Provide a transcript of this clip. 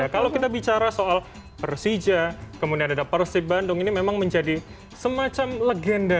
kalau kita bicara soal persija kemudian ada persib bandung ini memang menjadi semacam legenda